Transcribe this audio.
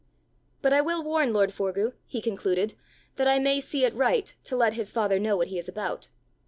"But I will warn lord Forgue," he concluded, "that I may see it right to let his father know what he is about.